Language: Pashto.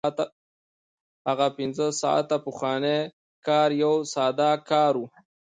هغه پنځه ساعته پخوانی کار یو ساده کار و